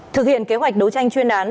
thực hiện kế hoạch đấu tranh chuyên án